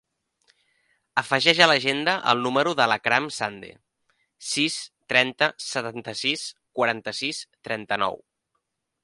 Afegeix a l'agenda el número de l'Akram Sande: sis, trenta, setanta-sis, quaranta-sis, trenta-nou.